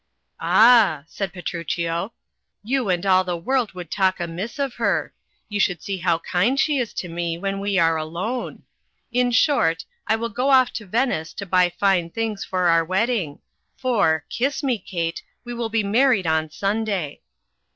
"Ah !" said Petruchio, "you and all the world would talk amiss of her. You should see how kind she is to me when we are alon^. Hi 38 THE CHILDREN'S SHAKESPEARE. In short, I will go off to Venice to buy fine things for our wedding —for — ^kiss me, Kate! we will be married on Sunday."